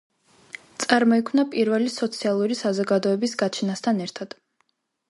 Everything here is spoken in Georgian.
წარმოიქმნა პირველი სოციალური საზოგადოების გაჩენასთან ერთად.